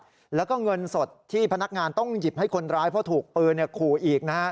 เราก็เงินสดที่พนักงานต้องหยิบให้คนร้ายพอถูกเปลือขู่อีก